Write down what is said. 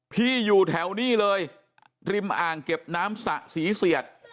อยู่แถวนี้เลยริมอ่างเก็บน้ำสะศรีเสียด